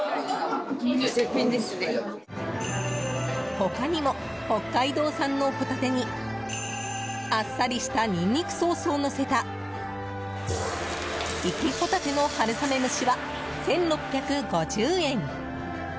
他にも、北海道産のホタテにあっさりしたニンニクソースをのせた活きホタテの春雨蒸しは１６５０円。